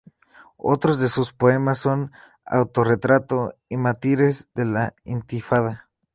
Otros de sus poemas son ""Autorretrato"" y ""Mártires de la Intifada"".